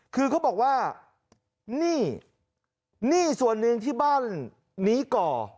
คือเขาบอกว่านี่ส่วนหนึ่งที่บ้านหนีก่อ